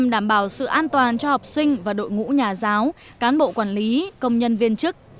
đảm bảo sự an toàn cho học sinh và đội ngũ nhà giáo cán bộ quản lý công nhân viên chức